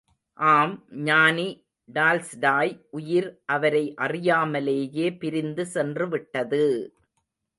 ஆம் ஞானி டால்ஸ்டாய் உயிர் அவரை அறியாமலேயே பிரிந்து சென்றுவிட்டது!